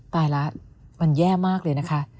ตายแล้วมันแย่มากเลยนะคะ